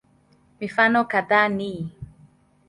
Mifano kadhaa ni